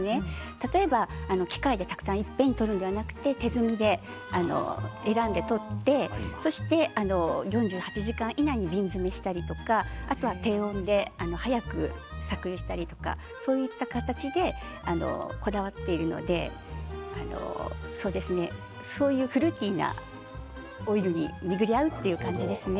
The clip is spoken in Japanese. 例えば機械でいっぺんにたくさん取るのではなくて手摘みで選んで取って４８時間以内に瓶詰めをしたりとか低温で早く搾ったりとかいろいろこだわっているのでそういうフルーティーなオイルに巡り合うという感じですね。